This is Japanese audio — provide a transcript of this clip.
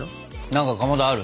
何かかまどある？